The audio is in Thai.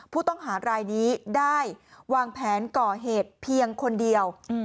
ผู้ต้องหารายนี้ได้วางแผนก่อเหตุเพียงคนเดียว